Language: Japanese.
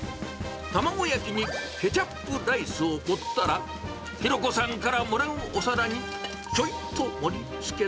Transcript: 卵焼きにケチャップライスを盛ったら、博子さんからもらうお皿にちょいっと盛り付け。